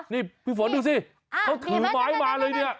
นี่พี่ฝนดูสิเขาถือไม้มาเลยเนี่ย